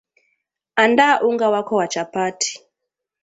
Andaa unga wako wa chapati